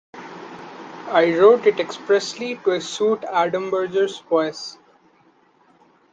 I wrote it expressly to suit Adamberger's voice.